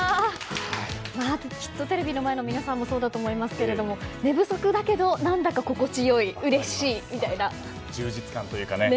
きっとテレビの前の皆さんもそうだと思いますけど寝不足だけど何だか心地良い充実感みたいなね。